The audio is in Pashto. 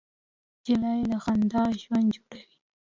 نجلۍ له خندا ژوند جوړوي.